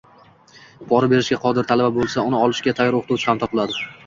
Pora berishga qodir talaba boʻlsa, uni olishga tayyor oʻqituvchi ham topiladi.